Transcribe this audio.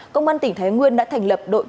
công an tỉnh thái nguyên đã thành lập đội